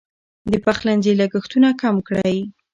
د پخلنځي لګښتونه کم کړئ.